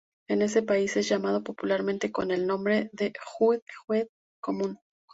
En ese país es llamado popularmente con el nombre de hued-hued común.